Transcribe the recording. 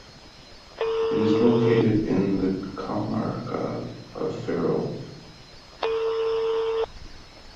It is located in the comarca of Ferrol.